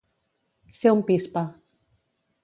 Ser un pispa.